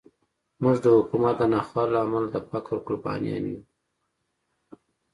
موږ د حکومت د ناخوالو له امله د فقر قربانیان یو.